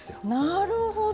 なるほど！